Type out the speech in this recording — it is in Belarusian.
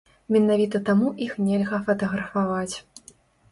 Менавіта таму іх нельга фатаграфаваць.